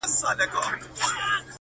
• دا گولۍ مي دي په سل ځله خوړلي,